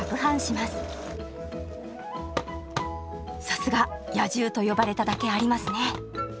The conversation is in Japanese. さすが「野獣」と呼ばれただけありますね！